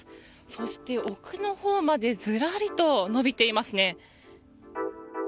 そして、奥のほうまでずらりと伸びていますね。